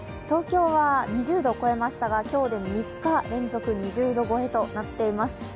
東京は２０度を超えましたが今日で３日連続２０度超えとなってます。